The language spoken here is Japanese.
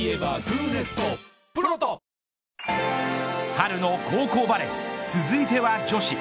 春の高校バレー続いては女子。